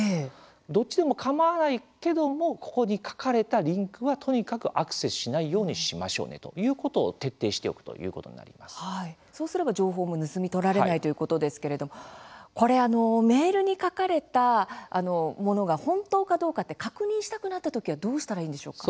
どっちでも、かまわないけどもここに書かれたリンクはとにかくアクセスしないようにしましょうねということを徹底しておくということにそうすれば情報も盗み取られないということですけれどもこれ、メールに書かれたものが本当かどうかって確認したくなった時はどうしたらいいんでしょうか。